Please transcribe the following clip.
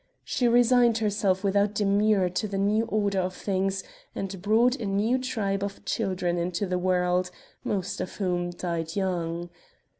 She resigned herself without demur to the new order of things and brought a new tribe of children into the world, most of whom died young.